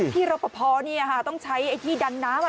ที่เราพอเนี่ยค่ะต้องใช้ไอ้ที่ดันน้ำอะ